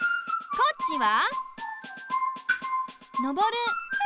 こっちは？